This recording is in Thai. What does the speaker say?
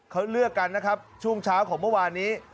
เขาเลือกกันนะครับช่วงเช้าของเมื่อวานนี้